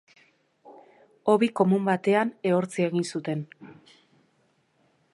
Hobi komun batean ehortzi egin zuten.